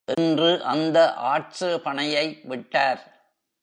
என்று, அந்த ஆட்சேபணையை விட்டார்.